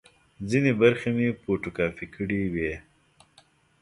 ځینې برخې مې فوټو کاپي کړې وې.